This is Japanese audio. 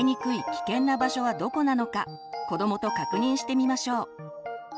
危険な場所はどこなのか子どもと確認してみましょう。